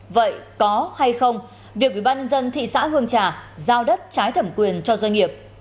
vậy có hay không việc ủy ban nhân dân thị xã hương trà giao đất trái thẩm quyền cho doanh nghiệp